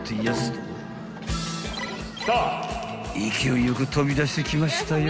［勢いよく飛び出してきましたよ］